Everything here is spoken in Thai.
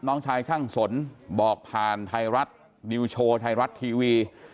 น้องชายช่างสนบอกผ่านไทยรัฐนิวโชว์ไทยรัฐทีวี